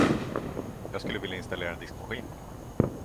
Jag skulle vilja installera en diskmaskin.